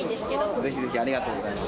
ぜひぜひ、ありがとうございます。